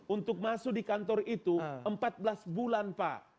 untuk masuk di kantor itu empat belas bulan pak